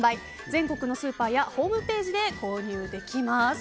全国のスーパーやホームページで購入できます。